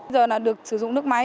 bây giờ là được sử dụng nước máy